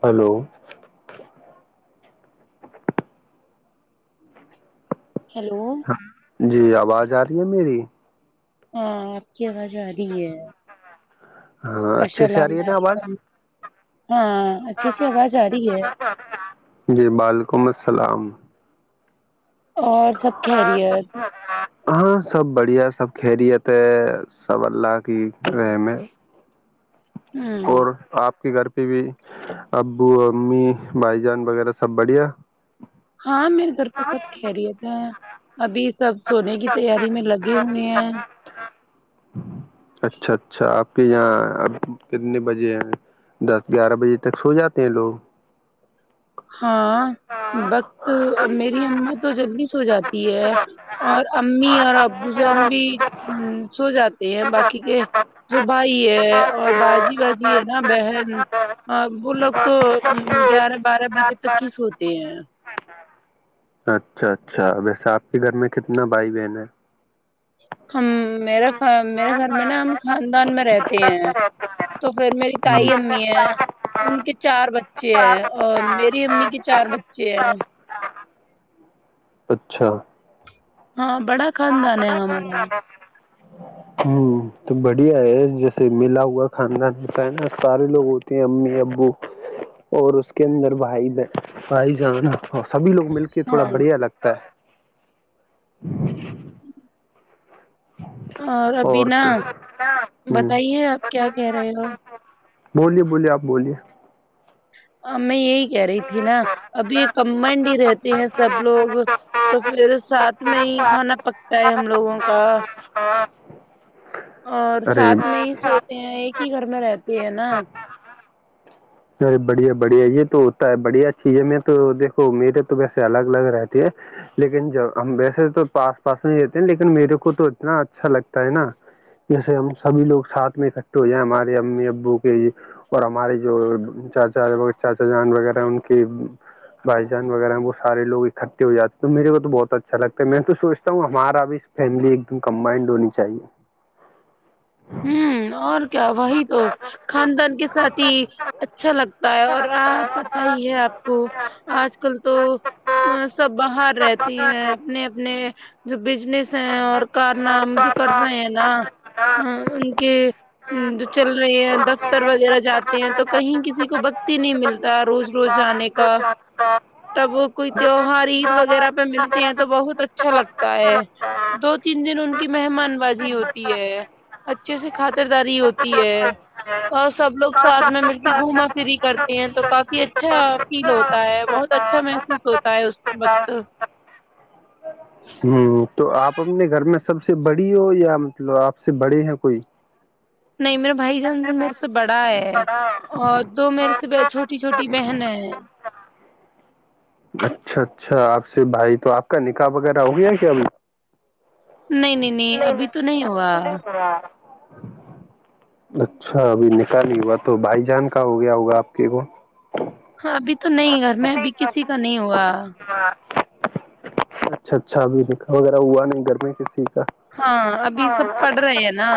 hello hello جی آواز آ رہی ہے میری ہاں آپ کی آواز آ رہی ہے ہاں اچھے سے آ السلام رہی ہے نا آواز علیکم ہاں اچھے سے آواز آ رہی ہے جی بعلیکم السلام اور سب خیریت ہاں سب بڑھیا سب خیریت ہے سب اللہ کی رہ میں ہوں اور آپ کے گھر پہ ابو امی بھائی جان وغیرہ سب بڑھیا ہاں میرے گھر پہ سب خیریت ہیں ابھی سب سونے کی تیاری میں لگے ہوئے ہیں اچھا اچھا آپ کہ یہاں اب کتنے بجے ہیں دس گیارہ بجے تک سو جاتے ہیں لوگ ہاں بقت میری امد تو جلدی سو جاتی ہے اور ا امی اور ابو جان بھی سو جاتے ہیں باقی کے جو بھائی اور بجی بازی ہے نا بہن وہ لوگ تو گیارہ بارہ بجے ج ج تک ہی سوتے ہیں اچھا اچھا ویسے آپ کے گھر میں کتنا بھائی بہن ہے ہم میرے میرے گھر میں نا ہم خاندان میں رہتے ہیں تو پھر میری تئای امی ہیں ان کے چار بچے ہیں اور میری امی کے چار بچے ہیں اچھا ہاں بڑا خاندان ہے ہمارا ہوں تو بڑھیا ہے جیسے ملا ہوا خاندان بتا ہے نا سارے لوگ ہوتے ہیں امی ابو اور اس کے اندر بھائید بھائی جان سبھی لوگ مل کے تھوڑا ہاں بڑھیا لگتا ہے ج [inaudible] ہوں [unintelligible] اور ابھی نا ہوں بتائیے آپ کیا کہہ رہے ہو بولیے بولیے آپ بولیے ہم میں یہ کہہ رہی تھی نا ابھی کممنڈ رہتے ہیں سب لوگ تو پھر سات میں ہی کھانا پکتا ہے ہم لوگوں کا اور ارے ساتھ میں ہی سوتے ہیں ایک ہی گھر میں رہتی ہے نا ارے بڑھیا بڑھیا یہ تو ہوتا ہے بڑھیا چیز ہے میں تو دیکھو میرے تو ویسے الگ الگ رہتے ہے لیکن جب ہم ویسے تو آس پاس میں رہتے ہیں لیکن میرے کو تو اتنا اچھا لگتا ہے نا جیسے ہم سبھی لوگ ساتھ میں اکٹھے ہو جائیں ہمارے امی ابو کے اور ہمارے جو چاچا چاچا جان وغیرہ ان کے بھائی جان وغیرہ ہیں وہ سارے لوگ اکٹھے ہو جاتے ہیں تو میرے کو تو بہت اچھا لگتا ہے میں تو سوچتا ہوں ہمارا بھی فیملی ایک دم کمبائنڈ ہونی چاہیے ہوں اور کیا وہی تو خاندان کے ساتھ ہی اچھا لگتا ہے اور پت ہی ہے آپ کو آج کل تو ا سب باہر [unintelligible] رہتی ہیں اپنے اپنے جو بزنس ہیں اور کرار نام جو کر رہے ہیں نا [unintelligible] ہ ان کے جو چل رہے ہیں دفتر وغیرہ جاتے ہیں تو کہیں کسی کو بکتی نہیں ملتا روز رو جانے کا تب وہ [unintelligible] کوئی تیوہار عید وغیرہ پہ ملتے ہیں تو بہت اچھا لگتا ہے دو تین دن ان کی مہمان بازی ہوتی ہے اچھے سے خاطرداری ہوتی ہے اور سب لوگ ساتھ میں مل کے گھوما پری کرتے ہیں تو کافی اچھا فیل ہوتا ہے بہت اچھا محسوس ہوتا ہے اس وقت ہوں تو آپ اپنے گھر میں سب سے بڑی ہو یا مطلب آپ سے بڑے ہیں کوئی نہیں میرا بھائی جان میرے سے بڑا ہے اور دو میرے سے چھوٹی چھوٹی بہن ہے اچھا اچھا آپ سے بھائی تو آپ کا نکاح وغیرہ ہو گیا کیا ابھی نہیں نہیں نہیں ابھی تو نہیں ہوا اچھا ابھی نکالی ہوا تو بھائی جان کا ہو گیا ہوا آپ کے کو ہاں ابھی تو نہیں گھر میں ابھی کسی کا نہیں ہوا اچھا اچھ اھی دیکا وغیرہ ہوا نہیں گرمی کسی کا ہاں ابھی سب پڑھ رہے ہیں نا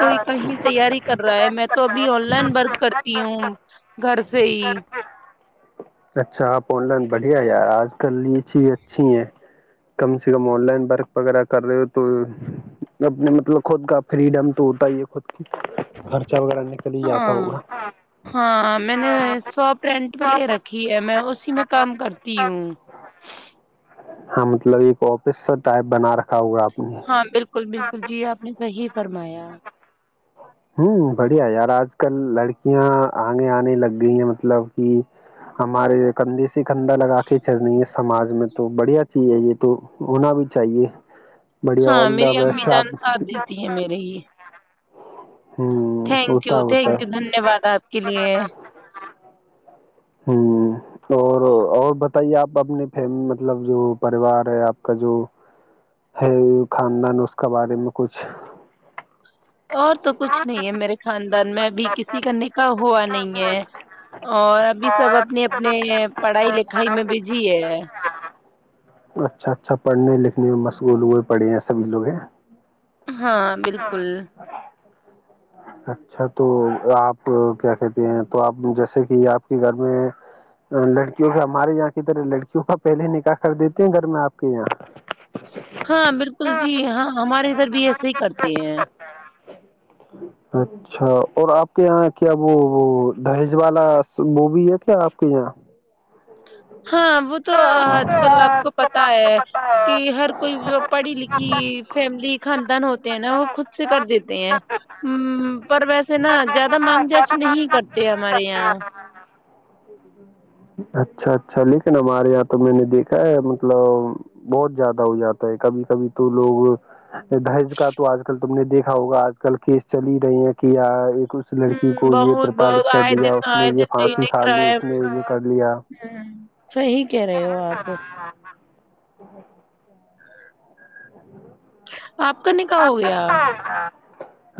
کوئی کہیں تیاری کر رہا ہے میں تو ابھی آن لائن ورک کرتی ہوں گھر سے ہی اچھا آپ آن لائن بڑھیا یار آج کل یہ چیز اچھی ہے کم سے کم آن لائن ورک وغیرہ کر رہے ہو تو اپنے مطلب خود کا فریڈم تو ہوتا ہی ہے خرچہ وغیرہ نکل ہی جاتا ہاں ہوگا سو پرینٹ پلے رکھی ہے میں اسی میں کام کرتی ہوں ہاں مطلب ایک آفس کا ٹائپ بنا رکھا ہوگا آپ نے ہاں بالکل بالکل بالکل جی آپ نے صحیح فرمایا ہوں بڑھیا یار آج کل لڑکیاں آگے آنے لگ گئی ہیں مطلب کہ ہمارے کندھے سے کندھا لگا کے چل رہی ہے سماج میں تو بڑھیا چیز ہے یہ تو ہونا بھی چاہیے بڑھیا ہاں آل دا میری امی بیسٹ ہاں آپ چان ساتھ دیتی ہیں میرے ہی ہوں تھینک یو ہوتا ہوتا ہے تھینک یو دھنیہ واد آپ کے لیے ہوں اور اور بتائیے آپ اپنے ف مطلب جو پریوار ہے آپ کا جو ہے خاندان اس کا بارے میں کچھ اور تو کچھ نہیں ہے میرے خاندان میںب کسی کا ن کہا ہوا نہیں ہے [unintelligible] اور ابھی سب اپنی اپنے پڑھائی لکھ گائی میں بیزی ہے اچھا اچھا پڑھنے لکھنے میں مشغول ہوئے پڑے ہیں سب لوگ ہیں ہاں بالکل اچھا تو آپ کیا کہتے ہیں تو آپ جیسے کہ آپ کے گھر میں لڑکیوں کا ہمارے یہاں کی طرح لڑکیوں کا پہلے نکاح کر دیتے ہیں گھر میں آپ کے یہاں ہاں بالکل جی ہاں ہمارے ادھر بھی ایسے ہی کرتے ہیں اچھا اور آپ کے یہاں کیا وہ وہ دہیج والا وہو بھی ہے کیا آپ کے یہاں ہاں وہ تو آج کل آپ کو پتا ہے کہ ہر کوئی پڑھی لکھی فیملی خاندان ہوتے ہیں نا وہ خود سے کر دیتے ہیں پر ویسے نا زیادہ مانگ جاچ نہیں کرتے ہمارے یہاں اچھا اچھا لیکن ہمارے یہاں تو میں نے دیکھا ہے مطلب بہت زیادہ ہو جاتا ہے کبھی کبھی تو لوگ دہج کا تو آج کل تم نے دیکھا ہوگا آج کل کیس چل ہی رہے ہیں کہ اس ہ لڑکی کو یہ بہت بہت پرتاارا آئے دیا دن اس نے آئے یہ دن نئی پھانسی نئی کھا لی کرائم نے یہ کر لیا ہ صحی کہہ رہے ہو آپ [inaudible] [inaudible] آپ کا ن کہاح ہو گیا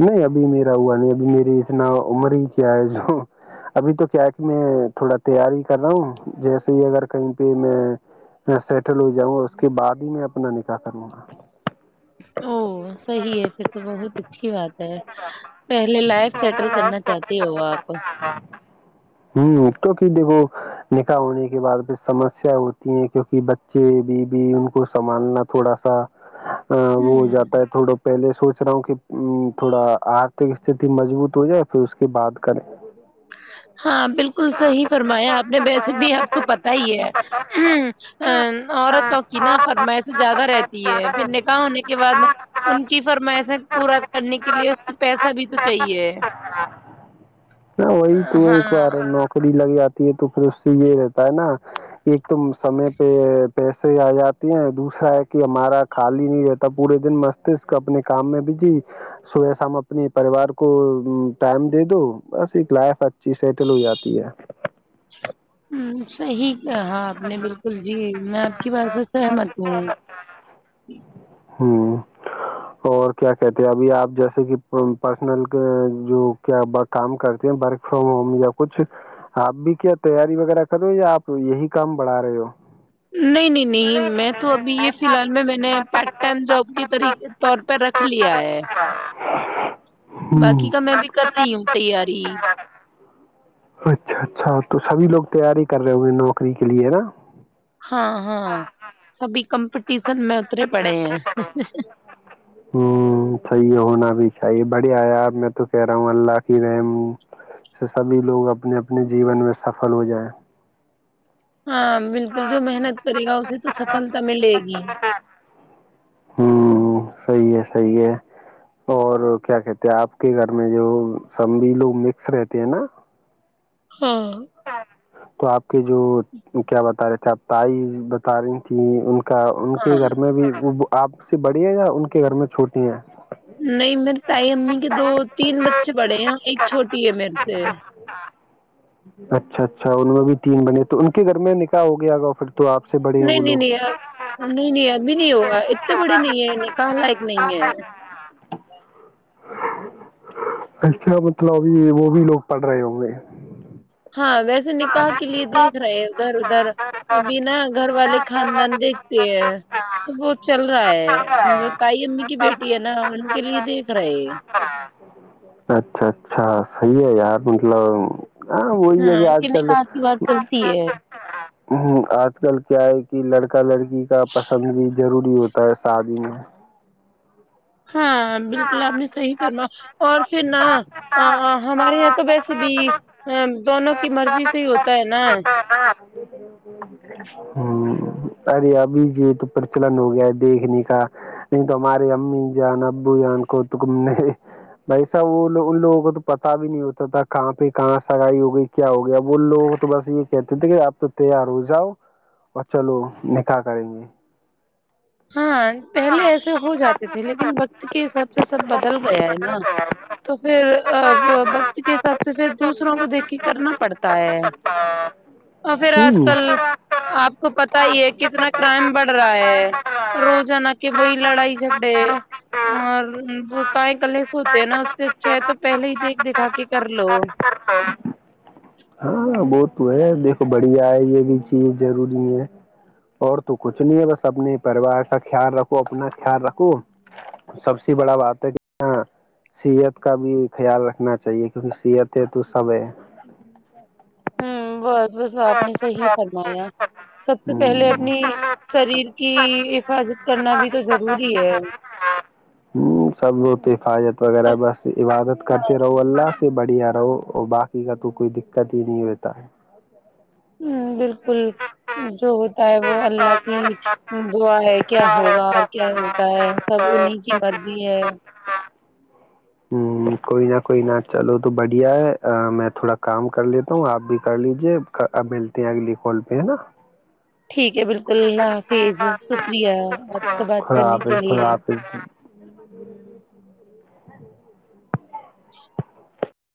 نہیں ابھی میرا ہوا نہیں ابھی میری اتنا عمر ہی کیا ہے جو ابھی تو کیا ہے کہ میں تھوڑا تیاری کر رہا ہوں جیسے ہی اگر کہیں پہ میں سیٹل ہو جاؤں اس کے بعد ہی میں اپنا نکاح کروں گا او صحی ہے پھر تو بہت اچھی بات ہے پہلے لائف سیٹل کرنا چاہتے ہو آپ ہوں کیونکہ دیکھو نکاح ہونے کے بعد پھر سمسیا ہوتی ہیں کیونکہ بچے بیوی ان کو سنبھالنا تھوڑا سا آ، وہ ہو جاتا ہے ہوں تھوڑا پہلے سوچ رہا ہوں کہ تھوڑا آرتک استتی مضبوط ہو جائے پھر اس کے بعد کریں ہاں بالکل صحیح فرمایا آپ نے ویسے بھی آپ کو پت ہی ہے ہ ا عورتوں کی نہ فرمائے سے زیادہ رہتی ہے پھر نکاح ہونے کے بعد ان کی فرمائشیں پورا کرنے کے لیے اس پیسہ بھی تو چاہیے ہے نہ وہی تو ایک بار نوکری لگی ج تو پھر اس سے یہ رہتا ہے نا ایک م سمی پ پیسے آ جاتے ہیں دوسرا ہے کہ ہمارا خالی نہیں رہتا پورے دن مست اپنے کام میں بھی جی صبح شام اپنے پریوار کو ٹائم دے دو بس ایک لائف اچھی سیٹل ہو جاتی ہے ہ صحیح کہاں آپ نے بالکل جی میں آپ کی بات سے سہمت ہوں ہاں اور کیا کہتے ہیں ابھی آپ جیسے کہ پرسنل جو کیا کام کرتے ہیں ورک فرام ہوم یا کچھ آپ بھی کیا تیاری وغیرہ کرو یا آپ یہی کام بڑھا رہے ہو نہیں نہیں نہیں میں تو ابھی یہ فی الحال میں میں نے پارٹ ٹائم جاب کی طریق طور پ رکھ لیا ہے ہوں باقی کا میں بھی کر رہی ہوں تیاری اچھا اچھا تو سبھی لوگ تیار ہی کر رہے ہوے نوکری کے لیے نا ہاں ہاں سبھی کمپ ٹیشن میں اترے پڑھے ہیں اچھے بڑی آیاپ میں تو کہہ رہا ہوں اللہ کی رحم سے سبھی لوگ اپنے اپنے جیون میں سفل ہو جائیں ہاں بالکل جو محنت کرے گا اسے تو سفلتا ملے گی ہوں صحیح ہے صحیح ہے اور کیا کہتے آپ کے گھر میں جو سبب لوگ مکس رہتے ہیں نا ہاں تو آپ کے جو کیا بتا رہے تھے آپ تائ بتا رہی تھیں ان کا ان کے ہاں گھر میں بھی وہ آپ سے بڑی ہے یا ان کے گھر میں چھوٹی ہیں نہیں میرے تائی امی کے دو تین بچے پڑے ہیں ایک چھوٹی ٹی ای مر سے اچھا اچھا ان میں بھی تین بنے تو ان کے گھر میں نکاح ہو گیا گا پھر تو آپ سے بڑے ہیں نہیں وہ نہیں لوگ نہیں نہیں نہیں ابھی نہیں ہوگا اتنے بڑے نہیں ہیںیں کہا لائق نہیں ہے [inaudible] اچھا مطلب ابھی وہ بھی لوگ پڑھ رہے ہوں گے ہاں ویسے نکاح کے لیے دیکھ رہے ہیں ادھر ادھر ابھی نا گھر والے خاندان دیکھتے ہیں تو وہ چل رہا ہے جو تائی امی کی بیٹی ہے نا ان کے لیے دیکھ [inaudible] اچھا اچھا صحیح ہے یار مطلب ہاں وہی ہے کہ ان آج کے کل نکاح کی بات چلتی ہے تو ہ آج کل کیا ہے کہ لڑکا لڑکی کا پسند بھی ضروری ہوتا ہے شادی میں ہاں بالکل آپ نے صحیح کرما اور پھر نا ہمارے یہاں تو ویسے بھی دونوں کی مرضی سے ہی ہوتا ہے نا ہ ارے ابھی یہ تو پرچلن ہو گیا ہے دیکھنے کا نہیں تو ہمارے امی جانا بوان کو تو بائیسا وہ ان لوگوں کو تو پتا بھی نہیں ہوتا تھا کہاں پہ کہاں سگائی ہو گئی کیا ہوگئی اب ان لوگوں کو تو بس یہ کہتے تھے کہ آپ تو تیار ہو جاؤ اور چلو نکاح کریں گے ہاں پہلے ایسے ہو جاتے تھے لیکن وقت کے حساب سے سب بدل گیا ہے نا تو پھر وقت کے حساب سے پھر دوسروں کو دیکھ کے کرنا پڑتا ہے اور پھر آج ہوں کل آپ کو پتا ہی ہے کتنا کرائم بڑھ رہا ہے روزانہ کہ وہی لڑائی جھگڑے اور کاائے کل س ہوتے ہیں نا اس سے اچھا ہے تو پہلے ہی دیکھ دکھا کے کر لو ہاں وہ تو ہے دیکھو بڑھیا ہے یہ بھی چیز ضروری ہے اور تو کچھ نہیں ہے بس اپنے پریوار کا خیال رکھو اپنا خیال رکھو سب سے بڑا بات ہے کہ سحت کا بھی خیال رکھنا چاہیے کیونکہ سحت ہے تو سب ہے ہوں بہت بس آپ نے صحی فرمایا سب سے پہلے اپنی شریر کی حفاظت کرنا بھی تو ضروری ہے ہوں سب لوگ تو حفاظت وغیرہ ہاں لیا رہو اور باقی کا تو کوئی دقت ہی نہیں ہوتا ہ بالکل جو ہوتا ہے وہ اللہ کی دع ہے کیا ہوگا اور کیا ہوتا ہے سب انہیں کی مرضی ہے ہ کوئی نہ کوئی نہ چلو تو بڑھیا ہے میں تھوڑا کام کر لیتا ہوں آپ بھی کر لیجے اب ملتے ہیں اگلی کال پہ ہے نا ٹھیک ہے بالکللہ حافظ شکریہ آپ کو بات خدا کرنے حافظ کے خدا لیے [inaudible] [inaudible]